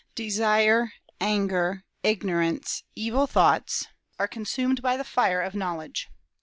Desire, anger, ignorance, evil thoughts are consumed by the fire of knowledge.